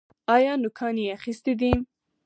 ایا نوکان یې اخیستي دي؟